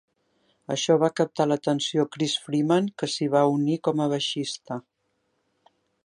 Això va captar l'atenció Chris Freeman, que s'hi va unir com a baixista.